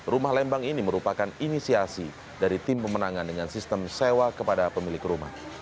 rumah lembang ini merupakan inisiasi dari tim pemenangan dengan sistem sewa kepada pemilik rumah